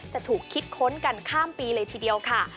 จะถูกคิดค้นกันข้ามปีเลยทีเดียวค่ะ